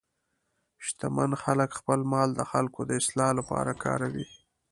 شتمن خلک خپل مال د خلکو د اصلاح لپاره کاروي.